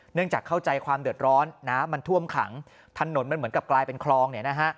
จากเข้าใจความเดือดร้อนน้ำมันท่วมขังถนนมันเหมือนกับกลายเป็นคลองเนี่ยนะฮะ